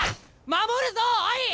守るぞおい！